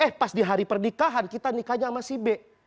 eh pas di hari pernikahan kita nikahnya sama si b